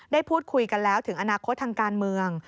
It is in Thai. ได้พูดคุยกันแล้วถึงอนาคตทางการเมือง